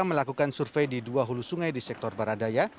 melakukan survei di dua hulu sungai di sektor baradaya